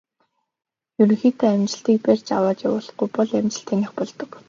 Ерөнхийдөө амжилтыг барьж аваад явуулахгүй бол амжилт таных болдог.